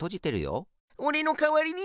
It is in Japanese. おれのかわりに？